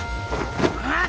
あっ？